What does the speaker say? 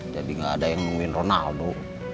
jadi enggak ada yang nungguin ronaldo